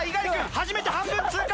初めて半分通過！